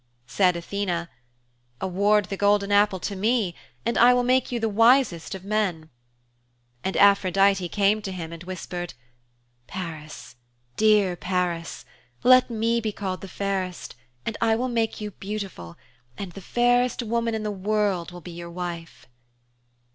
Said Athene, 'Award the golden apple to me and I will make you the wisest of men.' And Aphrodite came to him and whispered, 'Paris, dear Paris, let me be called the fairest and I will make you beautiful, and the fairest woman in the world will be your wife.'